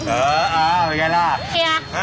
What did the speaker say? เออเอาไงล่ะ